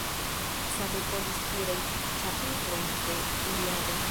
Same konis plurajn ĉapitrojn de Iliado.